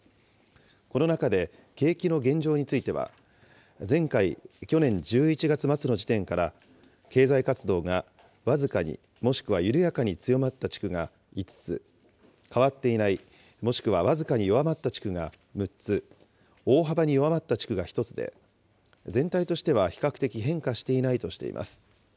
この中で景気の現状については、前回・去年１１月末の時点から、経済活動が僅かに、もしくは緩やかに強まった地区が５つ、変わっていない、もしくは僅かに弱まった地区が６つ、大幅に弱まった地区が１つで、全体としては比較的変化していないとしています。